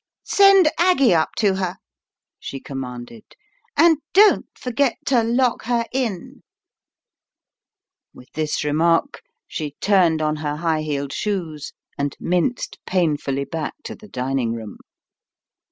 "Send Aggie up to her," she commanded, "and don't forget to lock her in." With this remark she turned on her high heeled shoes, and minced painfully back to the dining room.